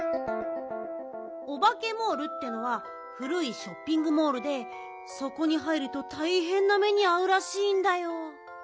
オバケモールっていうのはふるいショッピングモールでそこに入るとたいへんな目にあうらしいんだよ。